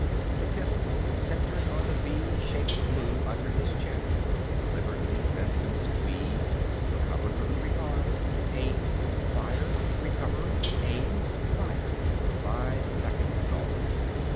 The pistol centered on the v shaped blue under his chin. Deliberately, Benson squeezed, recovered from the recoil, aimed, fired, recovered, aimed, fired. Five seconds gone.